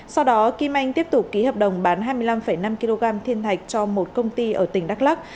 sau đó kim anh tiếp tục ký hợp đồng bán hai mươi năm năm kg thiên thạch cho một công ty ở tỉnh đắk lắc